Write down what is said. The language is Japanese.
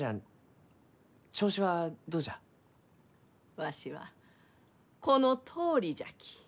わしはこのとおりじゃき。